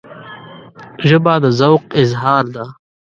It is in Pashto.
ژبه د ذوق اظهار ده